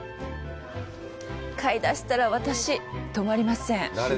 買い出したら私、止まりません。